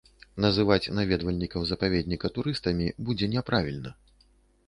Называць наведвальнікаў запаведніка турыстамі будзе няправільна.